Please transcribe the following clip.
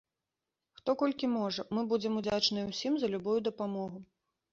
Хто колькі можа, мы будзем удзячныя ўсім за любую дапамогу!